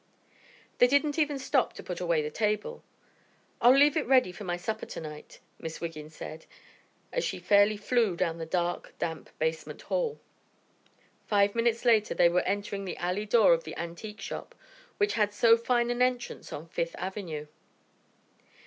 They didn't even stop to put away the table. "I'll leave it ready for my supper tonight," Miss Wiggin said, as she fairly flew down the dark, damp basement hall. Five minutes later they were entering the alley door of the antique shop which had so fine an entrance on Fifth Avenue.